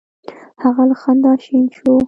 هغه له خندا شین شو: